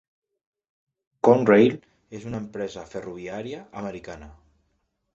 Conrail és una empresa ferroviària americana.